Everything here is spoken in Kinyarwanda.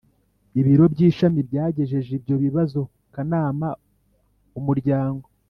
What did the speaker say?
Ibiro by ishami byagejeje ibyo bibazo ku kanama Umuryango